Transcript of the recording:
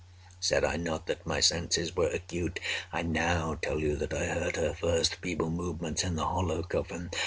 Said I not that my senses were acute? I now tell you that I heard her first feeble movements in the hollow coffin.